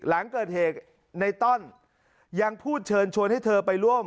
หลังเกิดเหตุในต้อนยังพูดเชิญชวนให้เธอไปร่วม